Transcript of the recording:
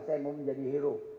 saya mau menjadi hero